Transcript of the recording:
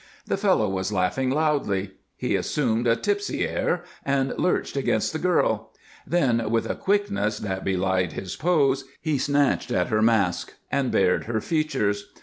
The fellow was laughing loudly; he assumed a tipsy air and lurched against the girl; then, with a quickness that belied his pose, he snatched at her mask and bared her features.